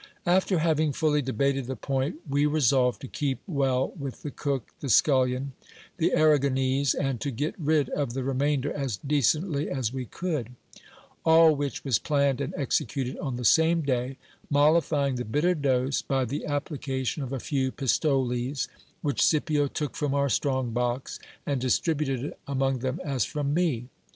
After having fully debated the point, we resolved to keep well with the cook, the scullion, the Arragonese, and to get rid of the remainder as decently as we could : all which was planned and executed on the same day, mollifying the bitter dose by the application of a few pistoles, which Scipio took from our strong box, and distributed among them as from me.